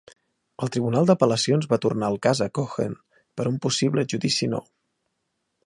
El tribunal d'apel·lacions va tornar al cas Cohen per un possible judici nou.